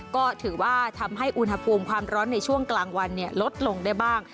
ก็ถือว่าทำให้อุณหภูมิความร้อนในช่วงกลางวันลดลงได้บ้าง